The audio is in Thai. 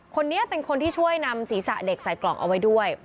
คนนี้เป็นคนที่ช่วยนำศีรษะเด็กใส่กล่องเอาไว้ด้วย